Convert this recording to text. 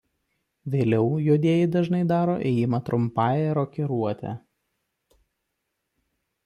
Vėliau juodieji dažnai daro ėjimą trumpąją rokiruotę.